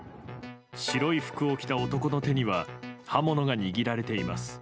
白い服を着た男の手には刃物が握られています。